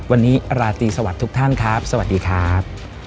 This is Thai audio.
วันนี้ราตรีสวัสดีทุกท่านครับสวัสดีครับ